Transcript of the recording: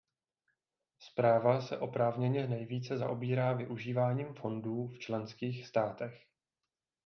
Zpráva se oprávněně nejvíce zaobírá využíváním fondů v členských státech.